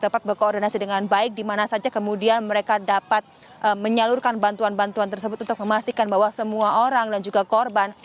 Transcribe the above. dapat berkoordinasi dengan baik di mana saja kemudian mereka dapat menyalurkan bantuan bantuan tersebut untuk memastikan bahwa semua orang dan juga korban